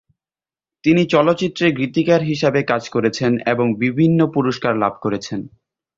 তিনি চলচ্চিত্রে গীতিকার হিসেবে কাজ করেছেন এবং বিভিন্ন পুরস্কার লাভ করেছেন।